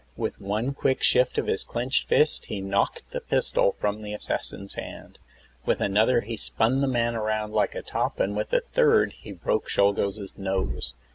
With one quick shift of his clenched fist he knocked the pistol from the assassin's hand. With another he spun the man around like a top, and, with a third, he broke Czolgosz's nose.